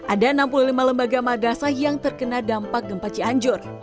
ada enam puluh lima lembaga madrasah yang terkena dampak gempa cianjur